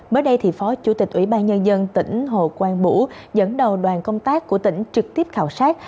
mới đây thì phó chủ tịch ủy ban nhân dân tỉnh hồ quang bủ dẫn đầu đoàn công tác của tỉnh trực tiếp khảo sát